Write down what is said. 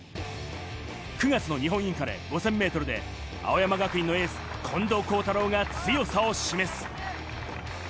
９月の日本インカレ、５０００ｍで青山学院のエース・近藤幸太郎が強さを示す。